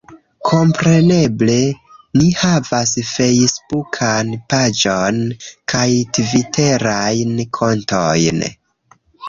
Kompreneble, ni havas fejsbukan paĝon, kaj tviterajn kontojn